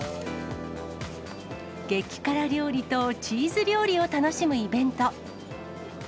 激辛料理とチーズ料理を楽しむイベント。